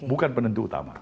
bukan penentu utama